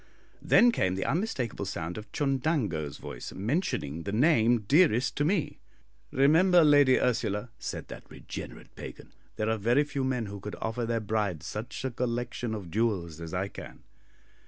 Then came the unmistakable sound of Chundango's voice mentioning the name dearest to me. "Remember, Lady Ursula," said that regenerate pagan, "there are very few men who could offer their brides such a collection of jewels as I can.